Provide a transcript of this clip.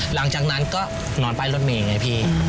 หลังจากนั้นก็นอนป้ายรถเมย์ไงพี่